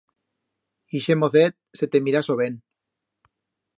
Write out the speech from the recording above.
Ixe mocet se te mira a sobén.